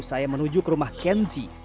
saya menuju ke rumah kenzi